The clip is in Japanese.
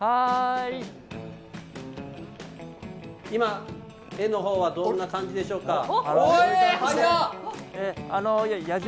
今、絵のほうはどんな感じでしょうか。